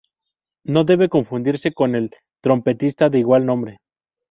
No debe confundirse con el trompetista de igual nombre.